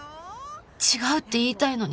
違うって言いたいのに